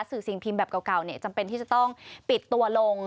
สิ่งพิมพ์แบบเก่าจำเป็นที่จะต้องปิดตัวลง